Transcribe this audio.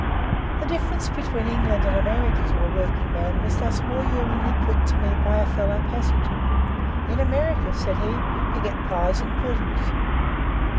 The difference between England and America to a working man was thus most humanly put to me by a fellow passenger: 'In America,' said he, 'you get pies and puddings.